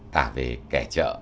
tả về kẻ trợ